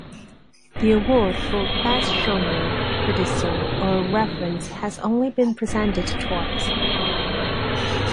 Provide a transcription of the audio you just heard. The award for Best Genre Criticism or Reference has only been presented twice.